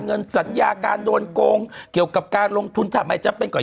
เงินสัญญาการโดนโกงเกี่ยวกับการลงทุนทำไมจำเป็นก่อน